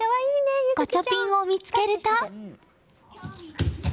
ガチャピンを見つけると。